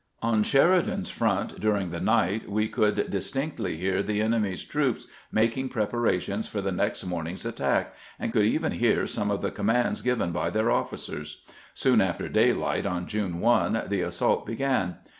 On Sheridan's front dur ing the night we could distinctly hear the enemy's troops making preparations for the next morning's attack, and could even hear some of the commands given by their officers. Soon after daylight on June 1 the assault began.